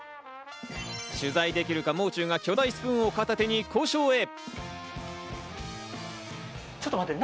取材できるか、もう中が巨大スプーンを片手に交渉へ。